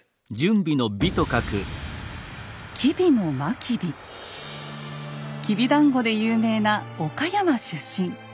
きびだんごで有名な岡山出身。